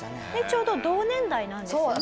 ちょうど同年代なんですよね？